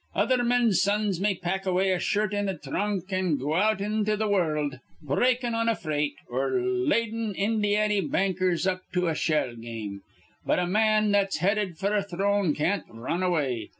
Other men's sons may pack away a shirt in a thrunk, an' go out into th' wurruld, brakin' on a freight or ladin' Indyanny bankers up to a shell game. But a man that's headed f'r a throne can't r run away.